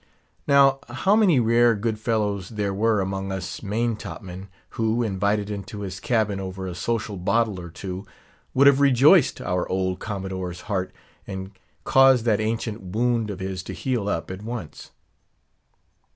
Now, how many rare good fellows there were among us main top men, who, invited into his cabin over a social bottle or two, would have rejoiced our old Commodore's heart, and caused that ancient wound of his to heal up at once.